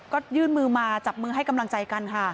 ก็ยื่นมือมาจับมือให้กำลังใจกันค่ะ